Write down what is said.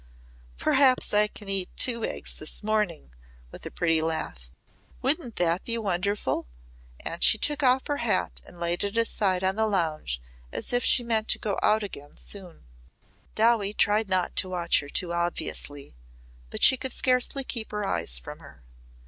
"Perhaps I can eat two eggs this morning," with a pretty laugh. "Wouldn't that be wonderful?" and she took off her hat and laid it aside on the lounge as if she meant to go out again soon. Dowie tried not to watch her too obviously, but she could scarcely keep her eyes from her.